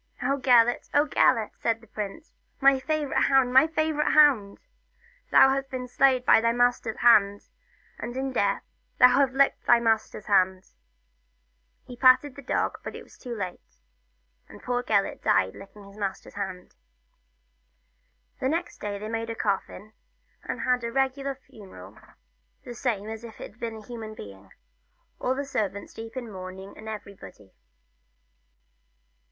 " Oh, Gelert ! Oh, Gelert !" said the prince, " my The Story of Gelert. 2 1 favourite hound, my favourite hound ! Thou hast been slain by thy master's hand, and in death thou hast licked thy master's hand !" He patted the dog, but it was too late, and poor Gelert died licking his master's hand. Next day they made a coffin, and had a regular funeral, the same as if it were a human being ; all the servants in deep mourning, and everybody.